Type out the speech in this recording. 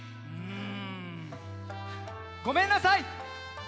うんごめんなさい。